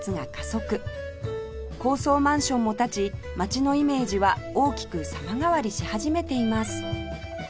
高層マンションも建ち町のイメージは大きく様変わりし始めています